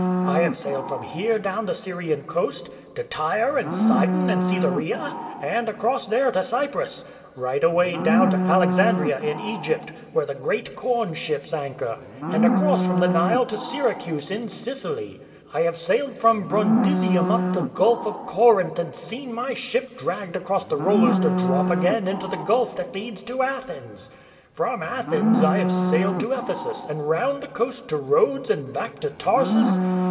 I have sailed from here down the Syrian coast, to Tyre and Sidon and Csesarea, and across there to Cyprus; right away down to Alexandria in Egypt, where the great corn ships THE LOOM OF THE TENT MAKER 41 anchor, and across from the Nile to Syracuse in Sicily. I have sailed from Brundisium ^ up the Gulf of Corinth and seen my ship dragged across the rollers to drop again into the gulf that leads to Athens. From Athens I have sailed to Ephesus and round the coast to Rhodes and back to Tarsus.